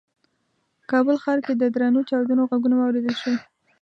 کابل ښار کې د درنو چاودنو غږونه واورېدل شول.